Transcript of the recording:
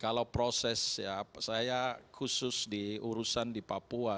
kalau proses ya saya khusus diurusan di papua